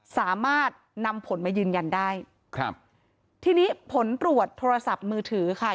สามารถนำผลมายืนยันได้ครับทีนี้ผลตรวจโทรศัพท์มือถือค่ะ